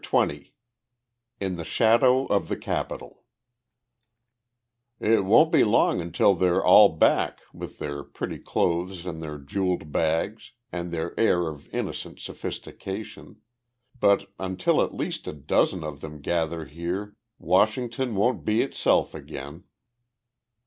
XX IN THE SHADOW OF THE CAPITOL "It won't be long until they're all back with their pretty clothes and their jeweled bags and their air of innocent sophistication but until at least a dozen of them gather here Washington won't be itself again."